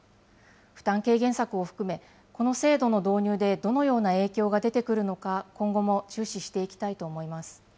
負担軽減策を含め、この制度の導入でどのような影響が出てくるのか、今後も注視していきたいと思います。